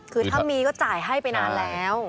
คือถ้ามีก็จ่ายให้ไปนานแล้ว